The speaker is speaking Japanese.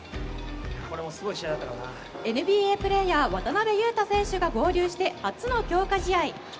ＮＢＡプレーヤー渡邊雄太選手が合流して初の強化試合。